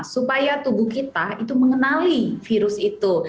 supaya tubuh kita itu mengenali virus itu